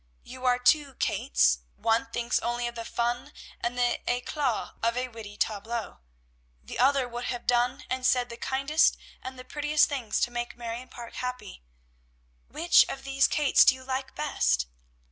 You are two Kates, one thinks only of the fun and the éclat of a witty tableau; the other would have done and said the kindest and the prettiest things to make Marion Parke happy. Which of these Kates do you like best?"